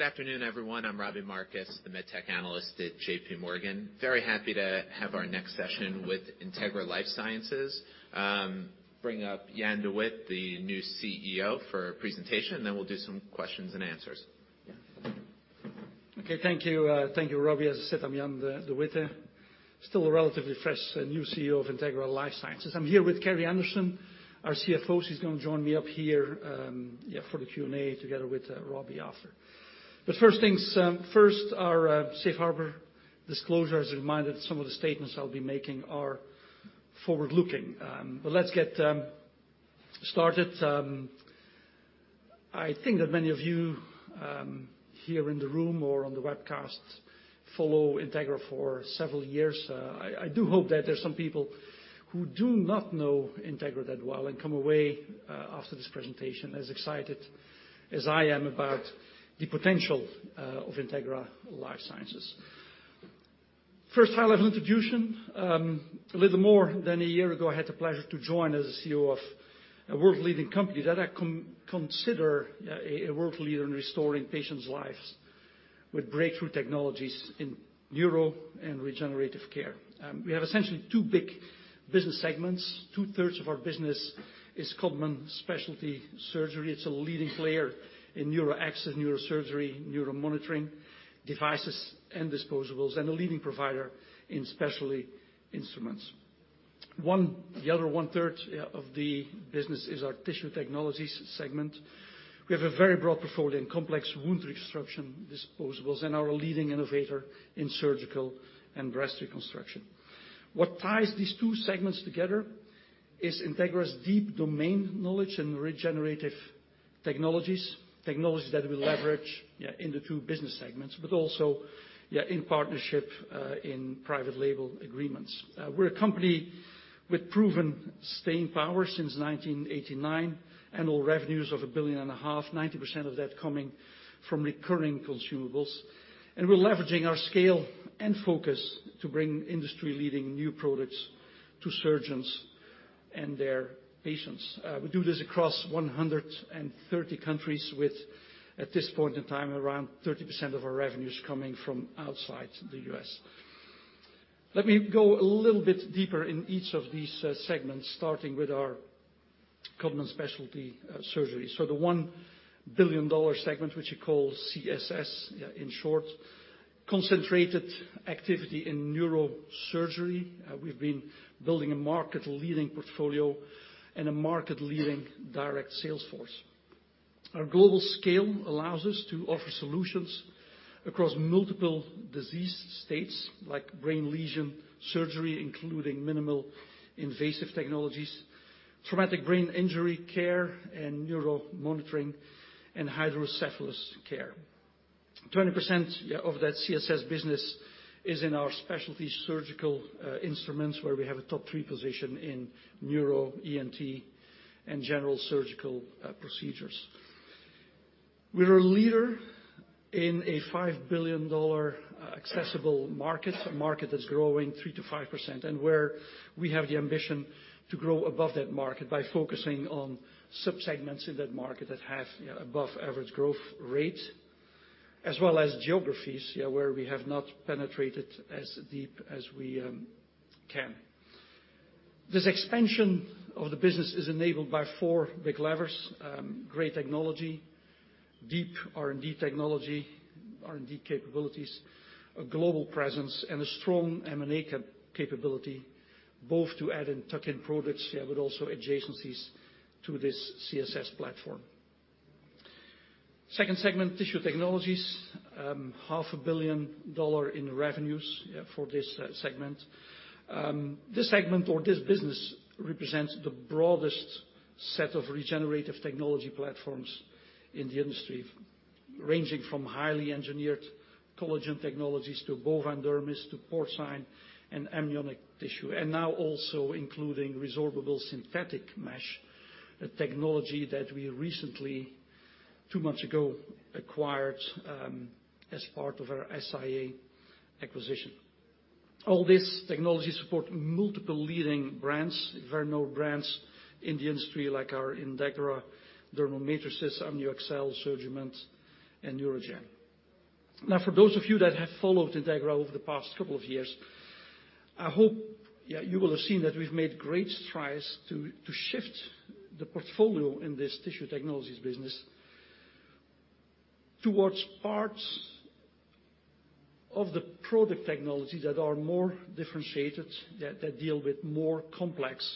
Good afternoon, everyone. I'm Robbie Marcus, the Medtech Analyst at J.P. Morgan. Very happy to have our next session with Integra LifeSciences. Bring up Jan De Witte, the new CEO, for a presentation, then we'll do some questions and answers. Okay. Thank you. Thank you, Robbie. As said, I'm Jan De Witte. Still a relatively fresh and new CEO of Integra LifeSciences. I'm here with Carrie Anderson, our CFO. She's gonna join me up here, yeah, for the Q&A together with Robbie after. First things first, our safe harbor disclosure. As a reminder that some of the statements I'll be making are forward-looking. Let's get started. I think that many of you here in the room or on the webcast follow Integra for several years. I do hope that there's some people who do not know Integra that well and come away after this presentation as excited as I am about the potential of Integra LifeSciences. First, high-level introduction. A little more than a year ago, I had the pleasure to join as a CEO of a world-leading company that I consider a world leader in restoring patients' lives with breakthrough technologies in neuro and regenerative care. We have essentially two big business segments. Two-thirds of our business is Codman Specialty Surgical. It's a leading player in neuro access, neurosurgery, neuro monitoring devices and disposables, and a leading provider in specialty instruments. The other 1/3 of the business is our Tissue Technologies segment. We have a very broad portfolio in complex Wound Reconstruction disposables and are a leading innovator in surgical and breast reconstruction. What ties these two segments together is Integra's deep domain knowledge in regenerative technologies that we leverage in the two business segments, but also in partnership in private label agreements. We're a company with proven staying power since 1989, annual revenues of $1.5 billion, 90% of that coming from recurring consumables. We're leveraging our scale and focus to bring industry-leading new products to surgeons and their patients. We do this across 130 countries with, at this point in time, around 30% of our revenues coming from outside the U.S. Let me go a little bit deeper in each of these segments, starting with our Codman Specialty Surgical. The $1 billion segment, which we call CSS, in short. Concentrated activity in neurosurgery. We've been building a market-leading portfolio and a market-leading direct sales force. Our global scale allows us to offer solutions across multiple disease states, like brain lesion surgery, including minimal invasive technologies, traumatic brain injury care, and neuro monitoring and hydrocephalus care. 20% of that CSS business is in our specialty surgical instruments, where we have a top three position in neuro, ENT, and general surgical procedures. We're a leader in a $5 billion accessible market, a market that's growing 3%-5%, and where we have the ambition to grow above that market by focusing on sub-segments in that market that have above average growth rate, as well as geographies where we have not penetrated as deep as we can. This expansion of the business is enabled by four big levers: great technology, deep R&D technology, R&D capabilities, a global presence, and a strong M&A capability, both to add and tuck-in products, yeah, but also adjacencies to this CSS platform. Second segment, Tissue Technologies. Half a billion dollars in revenues, yeah, for this segment. This segment or this business represents the broadest set of regenerative technology platforms in the industry, ranging from highly engineered collagen technologies to bovine dermis to porcine and amniotic tissue, and now also including resorbable synthetic mesh, a technology that we recently, two months ago, acquired as part of our SIA acquisition. All these technologies support multiple leading brands, very known brands in the industry like our Integra Dermamatrix, AmnioExcel, SurgiMend, and NeuraGen. Now, for those of you that have followed Integra over the past couple of years, I hope, you will have seen that we've made great strides to shift the portfolio in this Tissue Technologies business towards parts of the product technologies that are more differentiated, that deal with more complex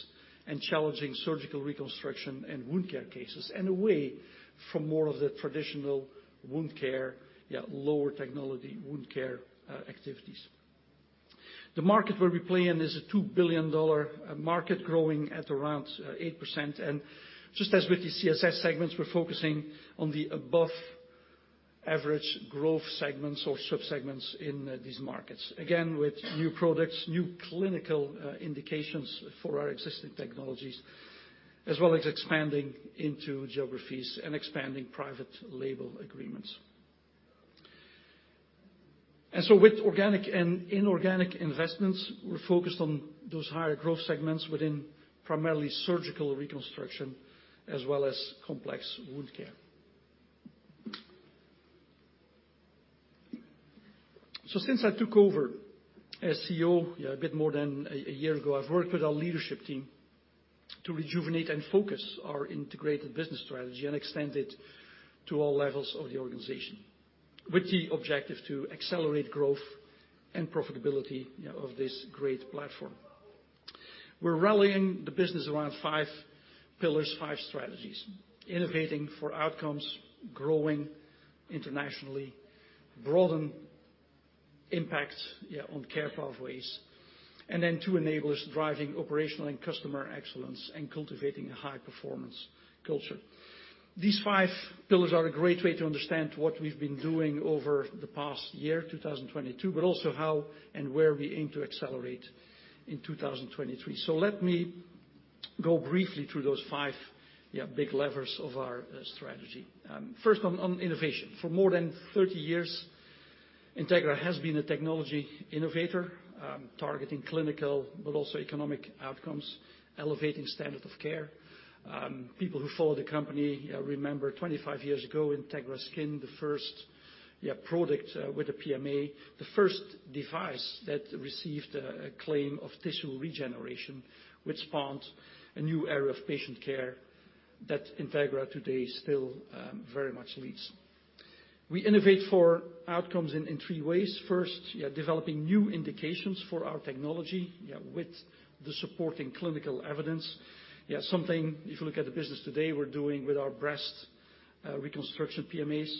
and challenging surgical reconstruction and wound care cases, and away from more of the traditional wound care, lower technology wound care activities. The market where we play in is a $2 billion market growing at around 8%. Just as with the CSS segments, we're focusing on the above average growth segments or sub-segments in these markets. Again, with new products, new clinical indications for our existing technologies, as well as expanding into geographies and expanding private label agreements. With organic and inorganic investments, we're focused on those higher growth segments within primarily surgical reconstruction as well as complex wound care. Since I took over as CEO, a bit more than a year ago, I've worked with our leadership team to rejuvenate and focus our integrated business strategy and extend it to all levels of the organization, with the objective to accelerate growth and profitability of this great platform. We're rallying the business around five pillars, five strategies, innovating for outcomes, growing internationally, broaden impact on care pathways, and then two enablers, driving operational and customer excellence and cultivating a high performance culture. These five pillars are a great way to understand what we've been doing over the past year, 2022, but also how and where we aim to accelerate in 2023. Let me go briefly through those five, yeah, big levers of our strategy. First on innovation. For more than 30 years, Integra has been a technology innovator, targeting clinical but also economic outcomes, elevating standard of care. People who follow the company, yeah, remember 25 years ago, Integra Skin, the first, yeah, product with the PMA, the first device that received a claim of tissue regeneration, which spawned a new era of patient care that Integra today still very much leads. We innovate for outcomes in three ways. First, yeah, developing new indications for our technology, yeah, with the supporting clinical evidence. Something, if you look at the business today, we're doing with our breast reconstruction PMAs.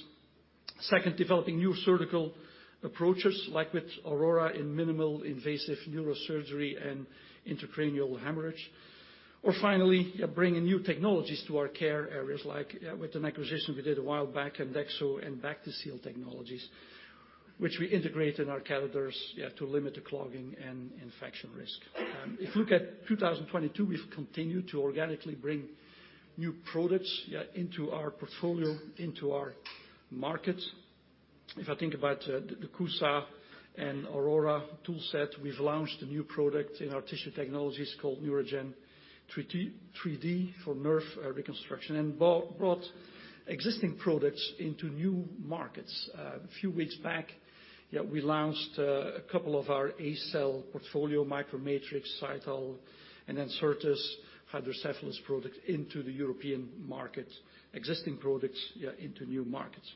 Second, developing new surgical approaches like with AURORA in minimal invasive neurosurgery and intracranial hemorrhage. Finally, bringing new technologies to our care areas like with an acquisition we did a while back, Endexo and BACTISEAL technologies, which we integrated our catheters to limit the clogging and infection risk. If you look at 2022, we've continued to organically bring new products into our portfolio, into our markets. If I think about the CUSA and AURORA tool set, we've launched a new product in our Tissue Technologies called NeuraGen 3D for nerve reconstruction and brought existing products into new markets. A few weeks back, yeah, we launched a couple of our ACell portfolio, MicroMatrix, Cytal, and then Certas hydrocephalus product into the European market, existing products, yeah, into new markets.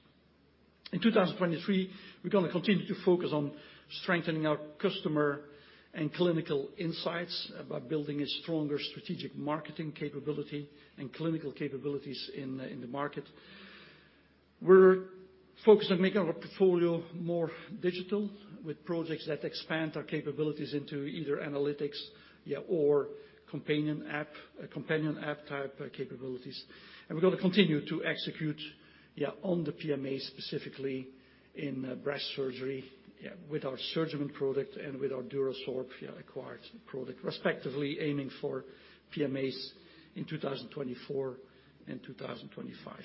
In 2023, we're gonna continue to focus on strengthening our customer and clinical insights by building a stronger strategic marketing capability and clinical capabilities in the market. We're focused on making our portfolio more digital with projects that expand our capabilities into either analytics, yeah, or companion app, a companion app type capabilities. We're gonna continue to execute, yeah, on the PMAs, specifically in breast surgery, yeah, with our SurgiMend product and with our DuraSorb, yeah, acquired product, respectively aiming for PMAs in 2024 and 2025.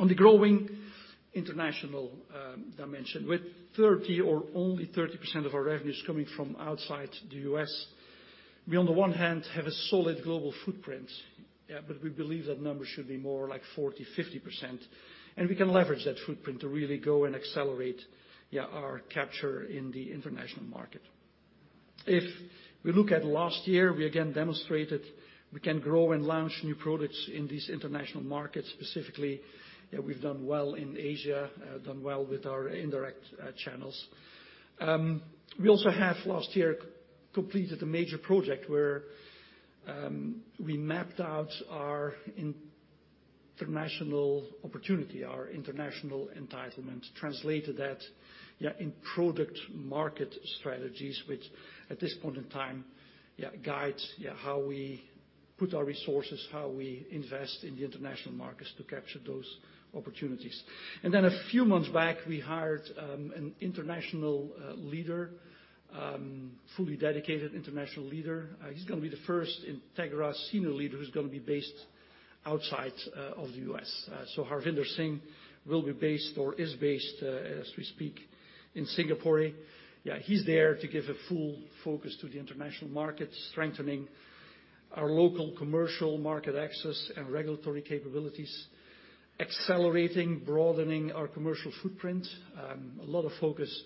On the growing international dimension, with 30% or only 30% of our revenues coming from outside the U.S., we, on the one hand, have a solid global footprint, yeah, but we believe that number should be more like 40%, 50%, and we can leverage that footprint to really go and accelerate, yeah, our capture in the international market. If we look at last year, we again demonstrated we can grow and launch new products in these international markets. Specifically, yeah, we've done well in Asia, done well with our indirect channels. We also have last year completed a major project where we mapped out our international opportunity, our international entitlement, translated that, yeah, in product market strategies, which at this point in time, yeah, guides, yeah, how we put our resources, how we invest in the international markets to capture those opportunities. A few months back, we hired an international leader, fully dedicated international leader. He's gonna be the first Integra senior leader who's gonna be based outside of the U.S. Harvinder Singh will be based or is based as we speak in Singapore. He's there to give a full focus to the international market, strengthening our local commercial market access and regulatory capabilities, accelerating, broadening our commercial footprint. A lot of focus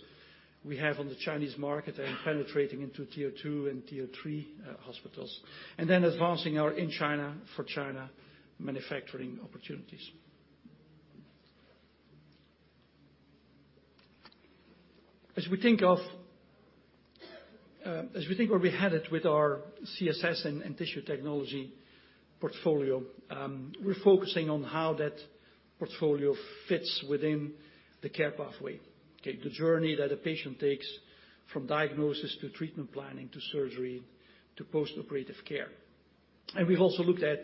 we have on the Chinese market and penetrating into tier two and tier three hospitals, and then advancing our In-China-for-China manufacturing opportunities. As we think of, as we think where we're headed with our CSS and Tissue Technologies portfolio, we're focusing on how that portfolio fits within the care pathway. Okay, the journey that a patient takes from diagnosis to treatment planning to surgery to postoperative care. We've also looked at,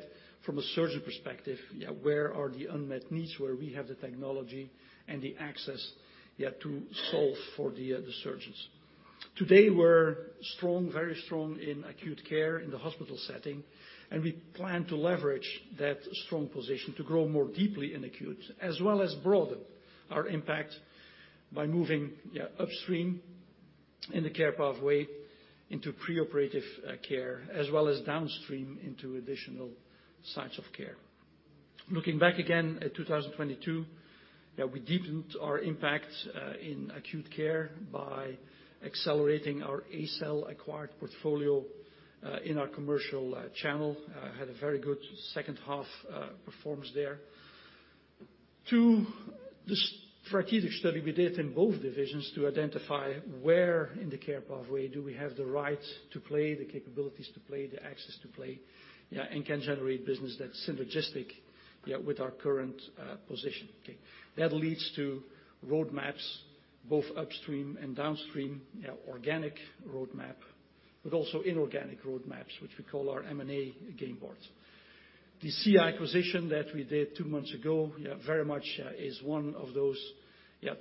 from a surgeon perspective, yeah, where are the unmet needs where we have the technology and the access, yeah, to solve for the surgeons. Today, we're strong, very strong in acute care in the hospital setting, and we plan to leverage that strong position to grow more deeply in acute, as well as broaden our impact by moving, yeah, upstream in the care pathway into preoperative care, as well as downstream into additional sites of care. Looking back again at 2022, yeah, we deepened our impact in acute care by accelerating our ACell-acquired portfolio in our commercial channel. Had a very good second half performance there. Two, the strategic study we did in both divisions to identify where in the care pathway do we have the right to play, the capabilities to play, the access to play, and can generate business that's synergistic with our current position, okay. That leads to road maps, both upstream and downstream, organic roadmap, but also inorganic road maps, which we call our M&A game board. The SIA acquisition that we did two months ago, very much is one of those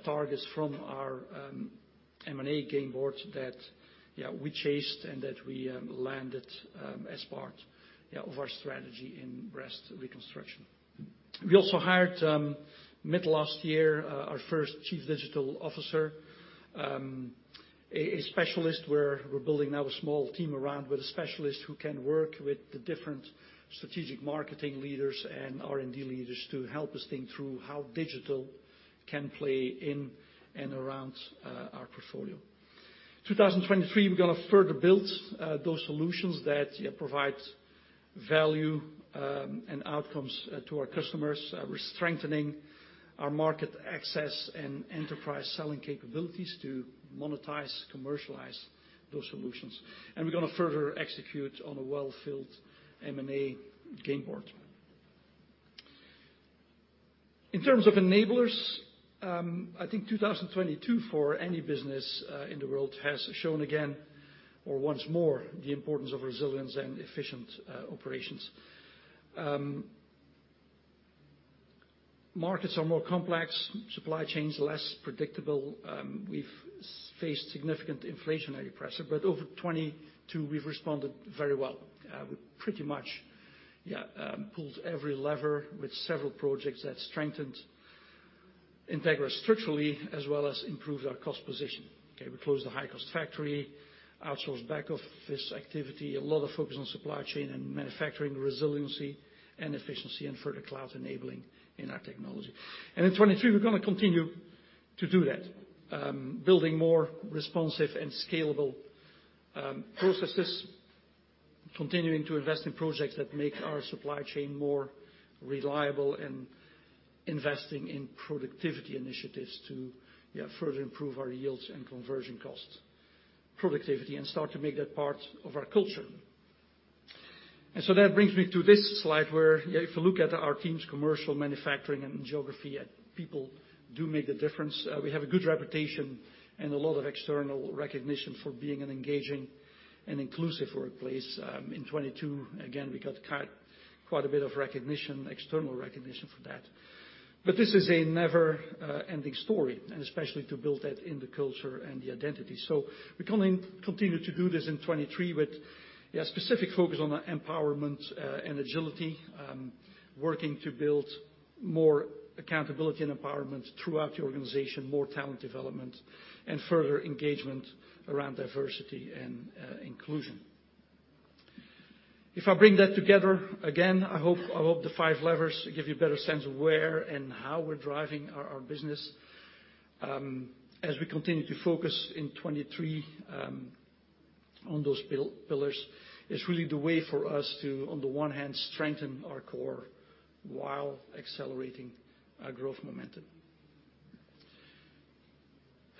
targets from our M&A game board that we chased and that we landed as part of our strategy in breast reconstruction. We also hired, mid last year, our first chief digital officer, a specialist where we're building now a small team around with a specialist who can work with the different strategic marketing leaders and R&D leaders to help us think through how digital can play in and around our portfolio. 2023, we're gonna further build those solutions that, yeah, provide value, and outcomes, to our customers. We're strengthening our market access and enterprise selling capabilities to monetize, commercialize those solutions. We're gonna further execute on a well-filled M&A game board. In terms of enablers, I think 2022 for any business in the world has shown again, or once more, the importance of resilience and efficient operations. Markets are more complex, supply chains less predictable. We've faced significant inflationary pressure, but over 2022, we've responded very well. We pretty much, yeah, pulled every lever with several projects that strengthened Integra structurally as well as improved our cost position. Okay. We closed a high-cost factory, outsourced back office activity, a lot of focus on supply chain and manufacturing resiliency and efficiency, and further cloud enabling in our technology. In 2023, we're gonna continue to do that, building more responsive and scalable processes, continuing to invest in projects that make our supply chain more reliable, and investing in productivity initiatives to, yeah, further improve our yields and conversion costs, productivity, and start to make that part of our culture. That brings me to this slide where, yeah, if you look at our team's commercial manufacturing and geography, people do make the difference. We have a good reputation and a lot of external recognition for being an engaging and inclusive workplace. In 2022, again, we got quite a bit of recognition, external recognition for that. This is a never ending story, and especially to build that in the culture and the identity. We're gonna continue to do this in 2023 with specific focus on the empowerment and agility, working to build more accountability and empowerment throughout the organization, more talent development, and further engagement around diversity and inclusion. If I bring that together, again, I hope the five levers give you a better sense of where and how we're driving our business. As we continue to focus in 2023, on those pillars, it's really the way for us to, on the one hand, strengthen our core while accelerating our growth momentum.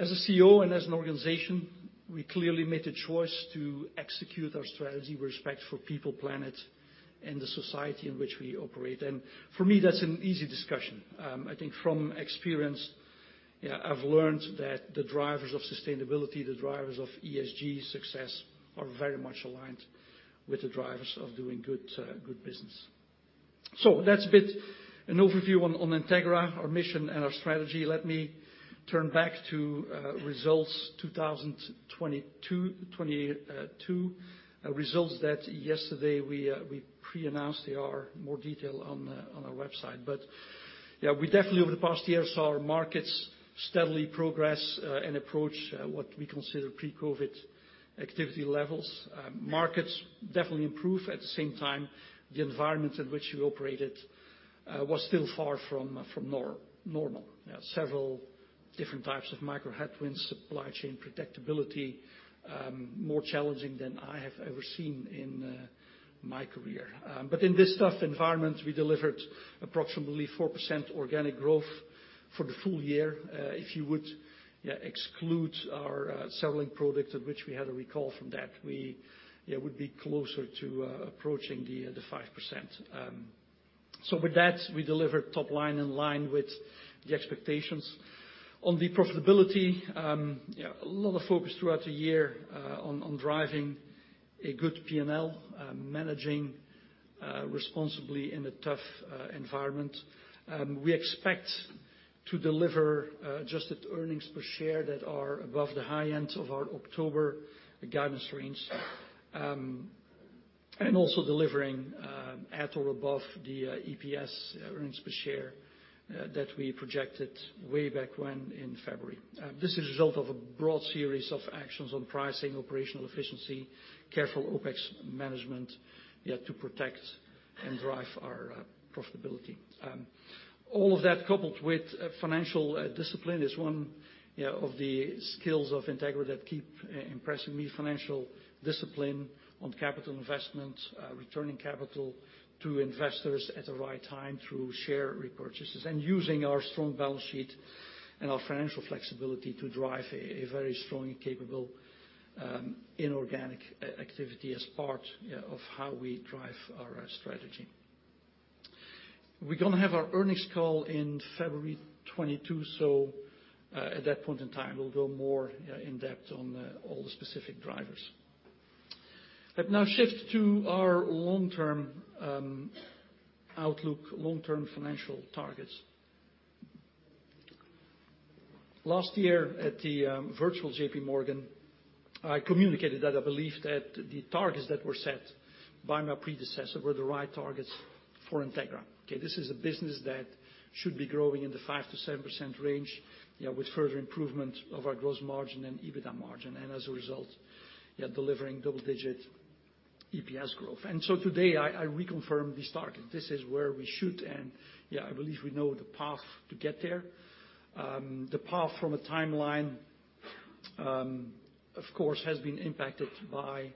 As a CEO and as an organization, we clearly made the choice to execute our strategy with respect for people, planet, and the society in which we operate. For me, that's an easy discussion. I think from experience, yeah, I've learned that the drivers of sustainability, the drivers of ESG success are very much aligned with the drivers of doing good business. That's a bit an overview on Integra, our mission, and our strategy. Let me turn back to results 2022, results that yesterday we pre-announced. There are more detail on our website. We definitely over the past year saw our markets steadily progress and approach what we consider pre-COVID activity levels. Markets definitely improve. At the same time, the environment in which we operated was still far from normal. Several different types of micro headwinds, supply chain predictability, more challenging than I have ever seen in my career. In this tough environment, we delivered approximately 4% organic growth for the full year. If you would exclude our settling product at which we had a recall from that, we would be closer to approaching the 5%. With that, we delivered top line in line with the expectations. On the profitability, a lot of focus throughout the year on driving a good P&L, managing responsibly in a tough environment. We expect to deliver adjusted earnings per share that are above the high end of our October guidance range. Also delivering at or above the EPS, earnings per share, that we projected way back when in February. This is the result of a broad series of actions on pricing, operational efficiency, careful OpEx management, you have to protect and drive our profitability. All of that coupled with financial discipline is one, you know, of the skills of Integra that keep impressing me. Financial discipline on capital investment, returning capital to investors at the right time through share repurchases, and using our strong balance sheet and our financial flexibility to drive a very strong and capable inorganic activity as part of how we drive our strategy. We're gonna have our earnings call in February 2022. At that point in time we'll go more in depth on all the specific drivers. Let me now shift to our long-term outlook, long-term financial targets. Last year at the virtual J.P. Morgan, I communicated that I believed that the targets that were set by my predecessor were the right targets for Integra. Okay, this is a business that should be growing in the 5%-7% range, you know, with further improvement of our gross margin and EBITDA margin, as a result, delivering double-digit EPS growth. Today I reconfirm this target. This is where we should end. I believe we know the path to get there. The path from a timeline, of course, has been impacted by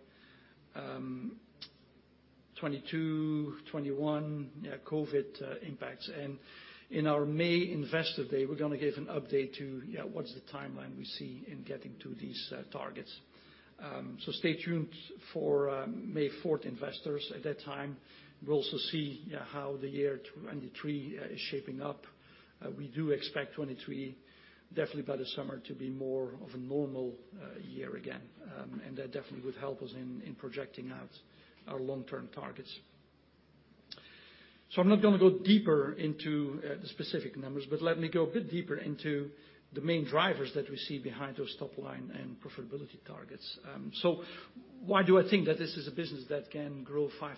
2022, 2021 COVID impacts. In our May Investor Day, we're gonna give an update to what is the timeline we see in getting to these targets. Stay tuned for May 4th, investors. At that time we'll also see how the year 2023 is shaping up. We do expect 2023, definitely by the summer, to be more of a normal year again. That definitely would help us in projecting out our long-term targets. I'm not gonna go deeper into the specific numbers, but let me go a bit deeper into the main drivers that we see behind those top line and profitability targets. Why do I think that this is a business that can grow 5%-7%?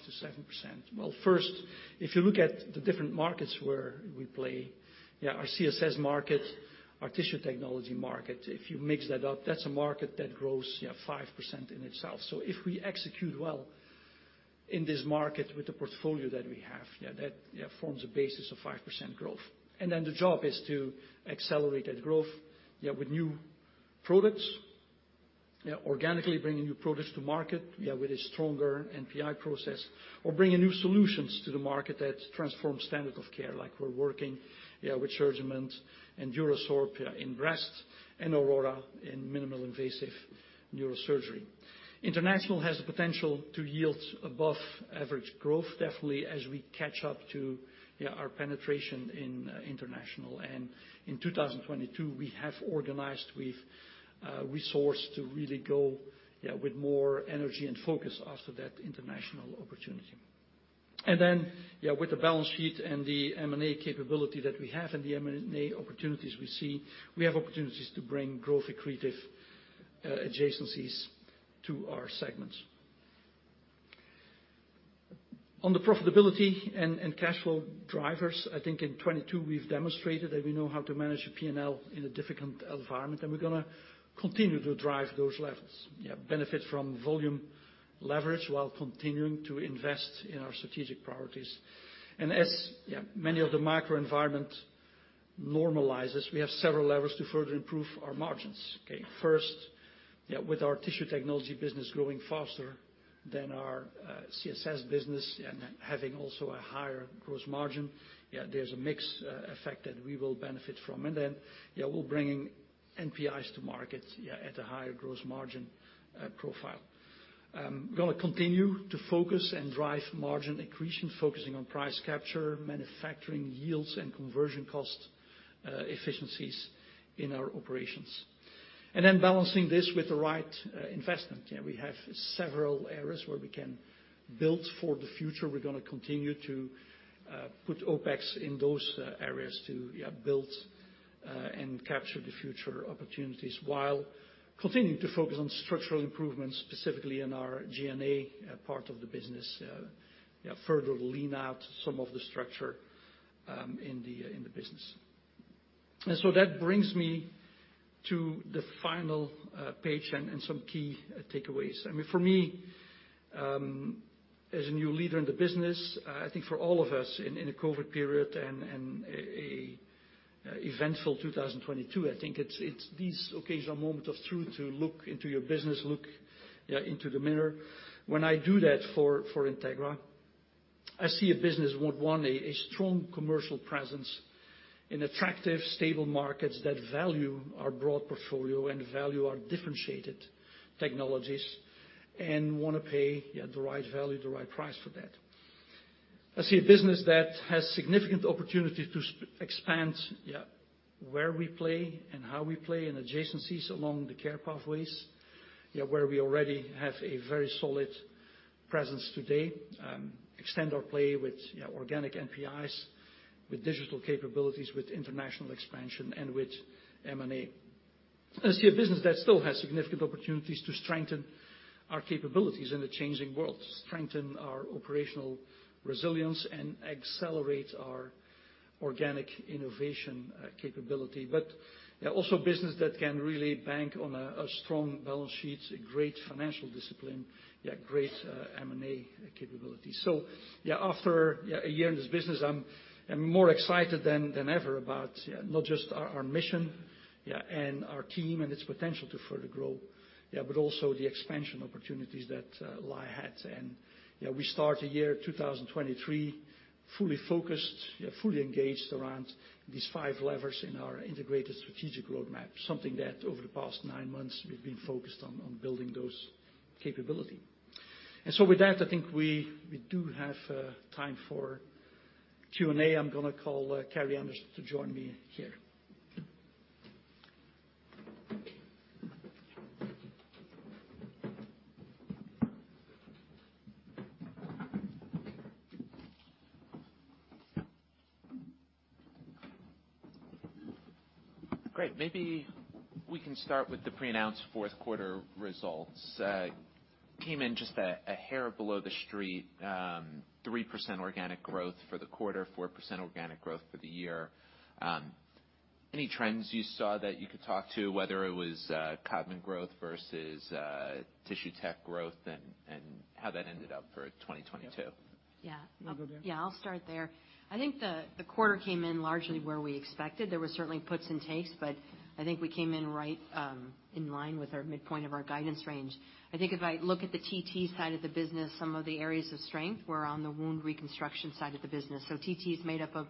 Well, first, if you look at the different markets where we play, our CSS market, our tissue technology market, if you mix that up, that's a market that grows 5% in itself. If we execute well in this market with the portfolio that we have, that forms a basis of 5% growth. The job is to accelerate that growth with new products. Organically bringing new products to market with a stronger NPI process, or bringing new solutions to the market that transform standard of care, like we're working with SurgiMend and DuraSorb in breast, and AURORA in minimally invasive neurosurgery. International has the potential to yield above average growth, definitely, as we catch up to our penetration in international. In 2022, we have organized with resource to really go with more energy and focus after that international opportunity. With the balance sheet and the M&A capability that we have and the M&A opportunities we see, we have opportunities to bring growth accretive adjacencies to our segments. On the profitability and cash flow drivers, I think in 2022 we've demonstrated that we know how to manage a P&L in a difficult environment, and we're gonna continue to drive those levers. Benefit from volume leverage while continuing to invest in our strategic priorities. As many of the microenvironment normalizes, we have several levers to further improve our margins. First, with our Tissue Technologies business growing faster than our CSS business and having also a higher gross margin, there's a mix effect that we will benefit from. Then, we're bringing NPIs to market at a higher gross margin profile. We're gonna continue to focus and drive margin accretion, focusing on price capture, manufacturing yields, and conversion cost efficiencies in our operations. Then balancing this with the right investment. We have several areas where we can build for the future. We're gonna continue to put OpEx in those areas to build and capture the future opportunities while continuing to focus on structural improvements, specifically in our G&A part of the business. Further lean out some of the structure in the business. That brings me to the final page and some key takeaways. I mean, for me, as a new leader in the business, I think for all of us in a COVID period and a eventful 2022, I think it's these occasional moment of truth to look into your business, look into the mirror. When I do that for Integra, I see a business with, one, a strong commercial presence in attractive, stable markets that value our broad portfolio and value our differentiated technologies, and wanna pay, the right value, the right price for that. I see a business that has significant opportunity to expand where we play and how we play in adjacencies along the care pathways. Where we already have a very solid presence today, extend our play with, you know, organic NPIs, with digital capabilities, with international expansion, and with M&A. I see a business that still has significant opportunities to strengthen our capabilities in the changing world, strengthen our operational resilience, and accelerate our organic innovation capability. Also business that can really bank on a strong balance sheet, a great financial discipline, great M&A capability. After a year in this business, I'm more excited than ever about not just our mission and our team and its potential to further grow. Also the expansion opportunities that lie ahead. We start a year 2023, fully focused, fully engaged around these five levers in our integrated strategic roadmap. Something that over the past nine months we've been focused on building those capability. With that, I think we do have time for Q&A. I'm gonna call Carrie Anderson to join me here. Great. Maybe we can start with the pre-announced fourth quarter results. came in just a hair below the street, 3% organic growth for the quarter, 4% organic growth for the year. Any trends you saw that you could talk to, whether it was Codman growth versus Tissue Technologies growth and how that ended up for 2022? Yeah. You want to go, dear? Yeah, I'll start there. I think the quarter came in largely where we expected. There were certainly puts and takes. I think we came in right in line with our midpoint of our guidance range. I think if I look at the TT side of the business, some of the areas of strength were on the Wound Reconstruction side of the business. TT is made up of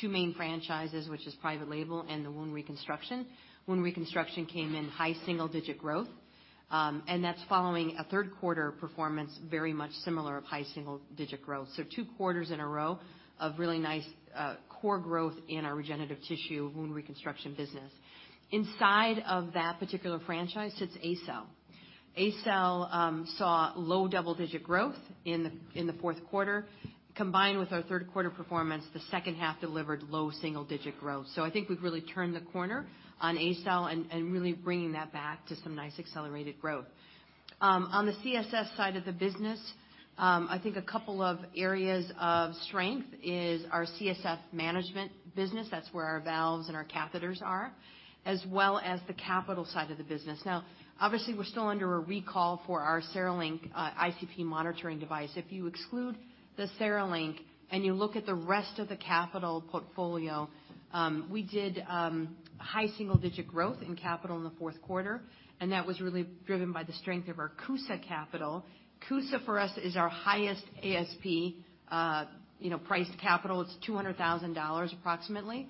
two main franchises, which is private label and the Wound Reconstruction. Wound Reconstruction came in high single digit growth. That's following a third quarter performance very much similar of high single digit growth. Two quarters in a row of really nice core growth in our regenerative tissue Wound Reconstruction business. Inside of that particular franchise, sits ACell. ACell saw low double digit growth in the fourth quarter. Combined with our third quarter performance, the second half delivered low single digit growth. I think we've really turned the corner on ACell and really bringing that back to some nice accelerated growth. On the CSS side of the business, I think a couple of areas of strength is our CSF management business. That's where our valves and our catheters are, as well as the capital side of the business. Obviously, we're still under a recall for our CereLink ICP monitoring device. If you exclude the CereLink and you look at the rest of the capital portfolio, we did high single digit growth in capital in the fourth quarter, and that was really driven by the strength of our CUSA capital. CUSA for us is our highest ASP, you know, priced capital. It's $200,000 approximately.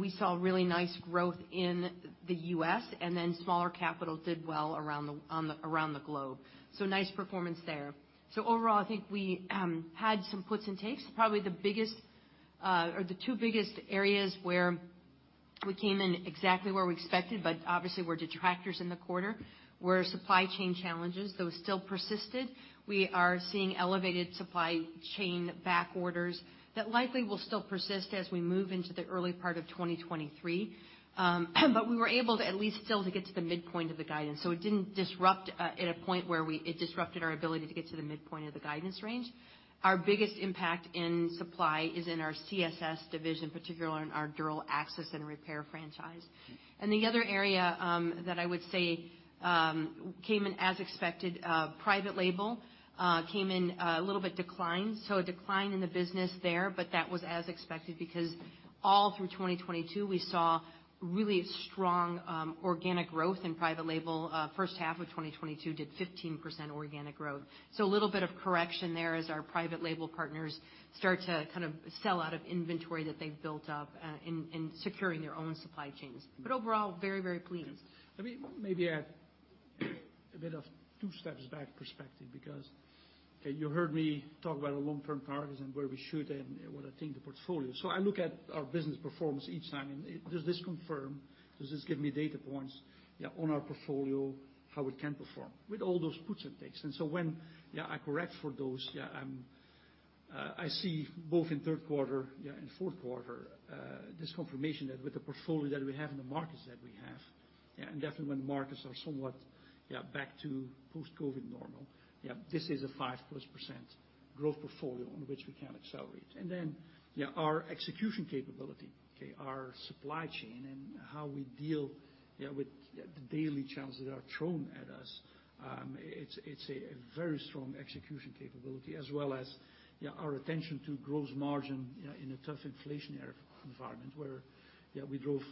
We saw really nice growth in the U.S., and then smaller capital did well around the globe. Nice performance there. Overall, I think we had some puts and takes. Probably the biggest or the two biggest areas where we came in exactly where we expected, but obviously were detractors in the quarter, were supply chain challenges, those still persisted. We are seeing elevated supply chain back orders that likely will still persist as we move into the early part of 2023. We were able to at least still to get to the midpoint of the guidance, so it didn't disrupt at a point. It disrupted our ability to get to the midpoint of the guidance range. Our biggest impact in supply is in our CSS division, particularly on our dural access and repair franchise. The other area that I would say came in as expected, private label came in a little bit declined. A decline in the business there. That was as expected because all through 2022, we saw really strong organic growth in private label. First half of 2022 did 15% organic growth. A little bit of correction there as our private label partners start to kind of sell out of inventory that they've built up in securing their own supply chains. Overall, very, very pleased. Let me maybe add a bit of two steps back perspective because, okay, you heard me talk about our long-term targets and where we should and what I think the portfolio. I look at our business performance each time. Does this confirm, does this give me data points, on our portfolio, how it can perform with all those puts and takes? When I correct for those, I see both in third quarter, in fourth quarter, this confirmation that with the portfolio that we have and the markets that we have, and definitely when the markets are somewhat back to post-COVID normal. This is a 5+% growth portfolio on which we can accelerate. Then, yeah, our execution capability, okay, our supply chain and how we deal, yeah, with the daily challenges that are thrown at us. It's a very strong execution capability as well as, yeah, our attention to gross margin, yeah, in a tough inflationary environment where, yeah, we drove,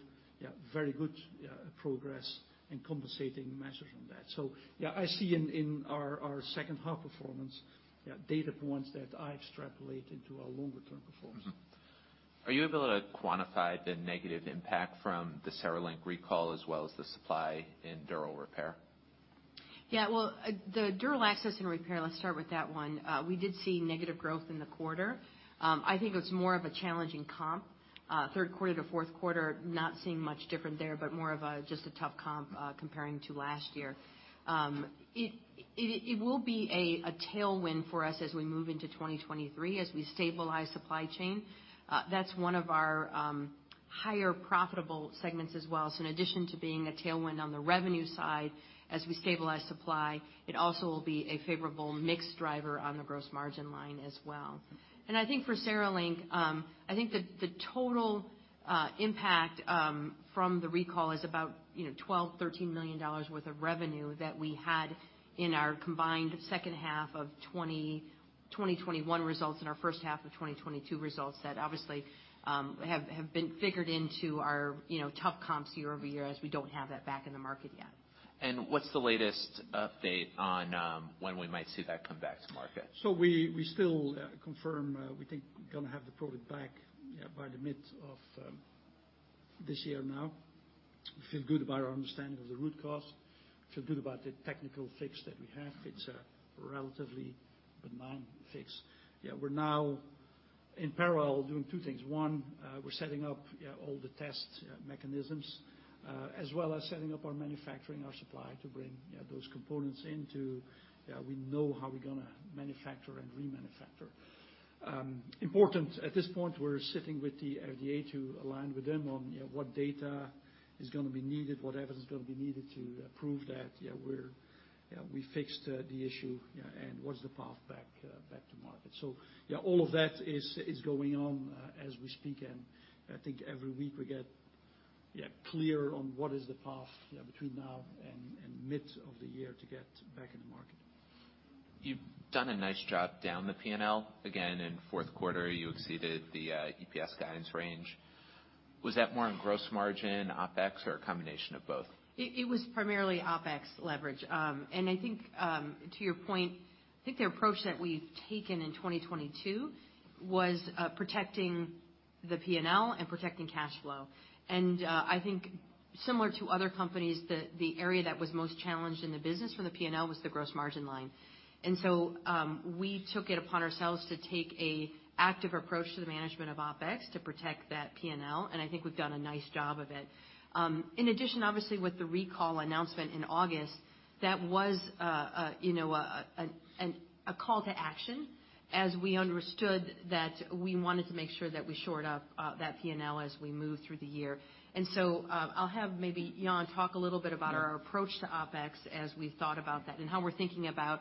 yeah, very good, yeah, progress in compensating measures on that. Yeah, I see in our second half performance, yeah, data points that I extrapolate into our long-term Are you able to quantify the negative impact from the CereLink recall as well as the supply in dural repair? Well, the dural access and repair, let's start with that one. We did see negative growth in the quarter. I think it was more of a challenging comp, third quarter to fourth quarter, not seeing much different there, but more of a, just a tough comp, comparing to last year. It will be a tailwind for us as we move into 2023 as we stabilize supply chain. That's one of our higher profitable segments as well. In addition to being a tailwind on the revenue side as we stabilize supply, it also will be a favorable mix driver on the gross margin line as well. I think for CereLink, I think the total impact from the recall is about, you know, $12 million-$13 million worth of revenue that we had in our combined second half of 2021 results and our first half of 2022 results that obviously have been figured into our, you know, tough comps year-over-year as we don't have that back in the market yet. What's the latest update on when we might see that come back to market? We still confirm, we think we're gonna have the product back, yeah, by the mid of this year now. We feel good about our understanding of the root cause. We feel good about the technical fix that we have. It's a relatively benign fix. Yeah, we're now in parallel doing two things. One, we're setting up, yeah, all the test mechanisms, as well as setting up our manufacturing, our supply to bring, yeah, those components into, yeah, we know how we're gonna manufacture and remanufacture. Important, at this point, we're sitting with the FDA to align with them on, you know, what data is gonna be needed, what evidence is gonna be needed to prove that, we're we fixed the issue, and what is the path back to market. Yeah, all of that is going on as we speak, and I think every week we get, yeah, clearer on what is the path, yeah, between now and mid of the year to get back in the market. You've done a nice job down the P&L. Again, in fourth quarter, you exceeded the EPS guidance range. Was that more on gross margin, OpEx, or a combination of both? It was primarily OpEx leverage. I think, to your point, I think the approach that we've taken in 2022 was protecting the P&L and protecting cash flow. I think similar to other companies, the area that was most challenged in the business from the P&L was the gross margin line. We took it upon ourselves to take a active approach to the management of OpEx to protect that P&L, and I think we've done a nice job of it. In addition, obviously, with the recall announcement in August, that was, you know, a call to action as we understood that we wanted to make sure that we shored up that P&L as we moved through the year. I'll have maybe Jan talk a little bit about our approach to OpEx as we thought about that and how we're thinking about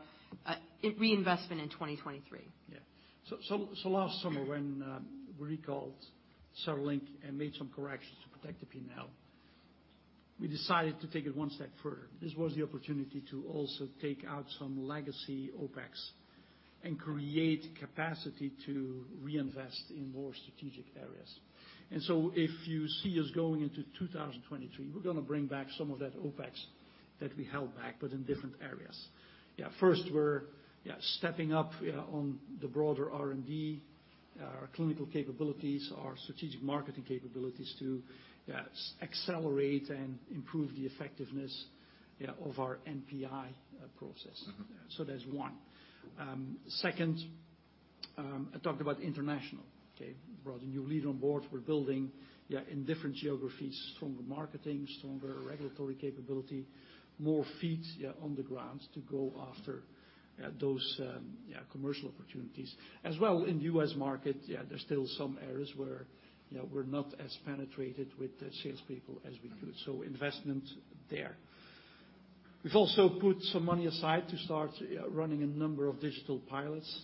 reinvestment in 2023. Last summer when we recalled CereLink and made some corrections to protect the P&L, we decided to take it one step further. This was the opportunity to also take out some legacy OpEx and create capacity to reinvest in more strategic areas. If you see us going into 2023, we're gonna bring back some of that OpEx that we held back, but in different areas. First, we're stepping up on the broader R&D, our clinical capabilities, our strategic marketing capabilities to accelerate and improve the effectiveness of our NPI process. Mm-hmm. That's one. Second, I talked about international, okay? Brought a new leader on board. We're building in different geographies, stronger marketing, stronger regulatory capability, more feet on the ground to go after those commercial opportunities. As well in the U.S. market, there's still some areas where, you know, we're not as penetrated with the salespeople as we could, so investment there. We've also put some money aside to start running a number of digital pilots,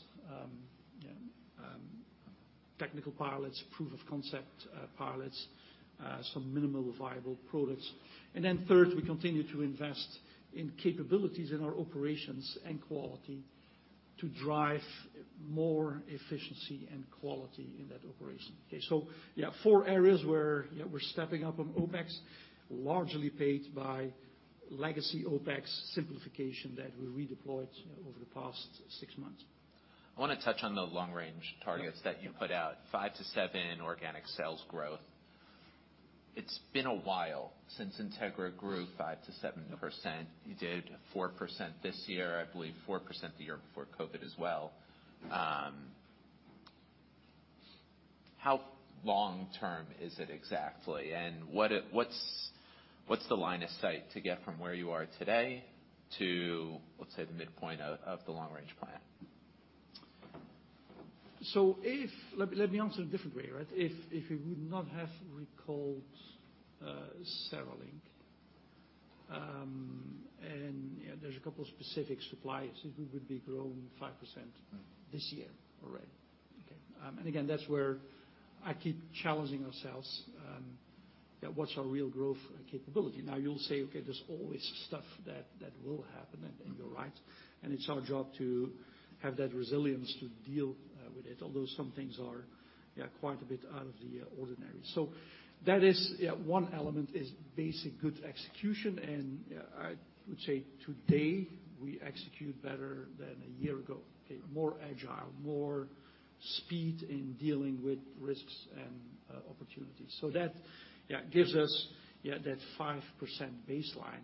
technical pilots, proof of concept pilots, some minimal viable products. Third, we continue to invest in capabilities in our operations and quality to drive more efficiency and quality in that operation. Okay. Four areas where we're stepping up on OpEx, largely paid by legacy OpEx simplification that we redeployed over the past six months. I wanna touch on the long range targets that you put out, 5%-7% organic sales growth. It's been a while since Integra grew 5%-7%. You did 4% this year, I believe 4% the year before COVID as well. How long-term is it exactly, and what's the line of sight to get from where you are today to, let's say, the midpoint of the long range plan? Let me answer a different way, right? If we would not have recalled CereLink, and, you know, there's a couple specific suppliers, we would be growing 5% this year already, okay? Again, that's where I keep challenging ourselves on what's our real growth capability. You'll say, okay, there's always stuff that will happen, and you're right. It's our job to have that resilience to deal with it, although some things are, yeah, quite a bit out of the ordinary. That is, yeah, one element is basic good execution, and, I would say today we execute better than a year ago, okay? More agile, more speed in dealing with risks and opportunities. That, yeah, gives us, yeah, that 5% baseline.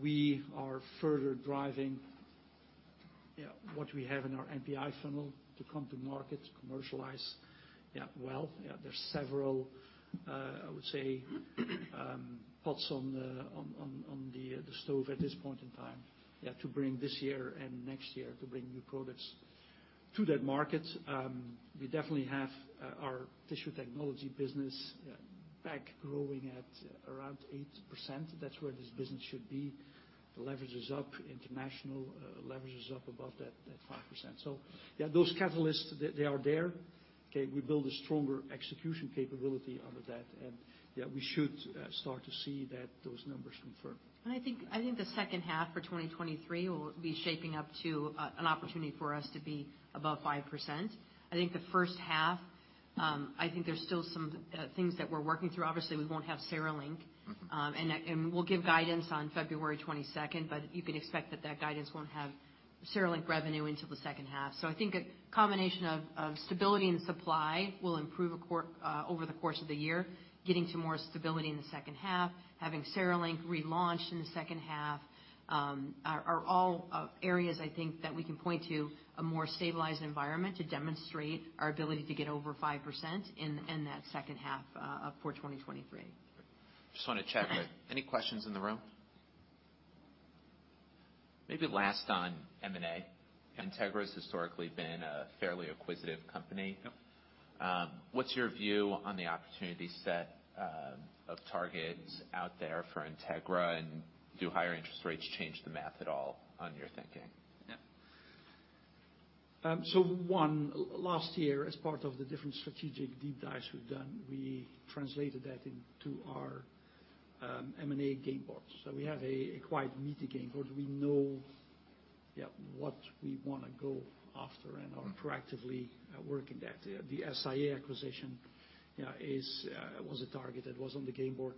We are further driving what we have in our NPI funnel to come to market, commercialize. Well, there's several, I would say, pots on the stove at this point in time to bring this year and next year to bring new products to that market. We definitely have our Tissue Technologies business back growing at around 8%. That's where this business should be. The leverage is up, international leverage is up above that 5%. Those catalysts, they are there. Okay? We build a stronger execution capability out of that, and we should start to see that those numbers confirm. I think the second half for 2023 will be shaping up to an opportunity for us to be above 5%. I think the first half, I think there's still some things that we're working through. Obviously, we won't have CereLink. Mm-hmm. We'll give guidance on February 22nd, but you can expect that that guidance won't have CereLink revenue until the second half. I think a combination of stability and supply will improve over the course of the year, getting to more stability in the second half, having CereLink relaunched in the second half, are all areas I think that we can point to a more stabilized environment to demonstrate our ability to get over 5% in that second half of poor 2023. Just wanna check. Any questions in the room? Maybe last on M&A. Integra's historically been a fairly acquisitive company. Yep. What's your view on the opportunity set of targets out there for Integra, and do higher interest rates change the math at all on your thinking? One, last year, as part of the different strategic deep dives we've done, we translated that into our M&A game board. We have a quite meaty game board. We know what we wanna go after and are proactively working that. The SIA acquisition was a target that was on the game board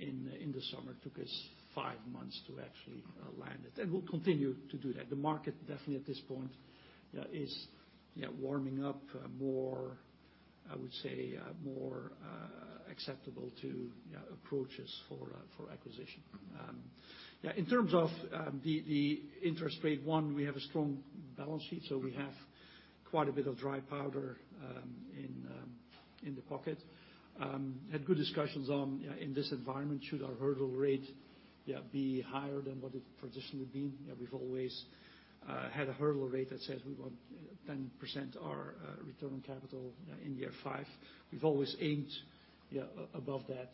in the summer. Took us five months to actually land it. We'll continue to do that. The market definitely at this point is warming up, more, I would say, acceptable to approaches for acquisition. In terms of the interest rate, one, we have a strong balance sheet, we have quite a bit of dry powder in the pocket. Had good discussions on, in this environment, should our hurdle rate be higher than what it's traditionally been? You know, we've always had a hurdle rate that says we want 10% our return on capital in year five. We've always aimed above that,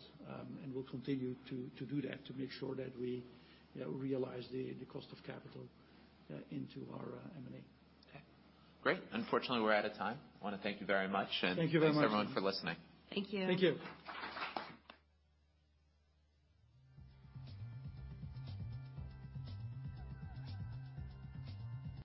and we'll continue to do that to make sure that we realize the cost of capital into our M&A. Okay. Great. Unfortunately, we're out of time. I wanna thank you very much. Thank you very much. Thanks everyone for listening. Thank you. Thank you.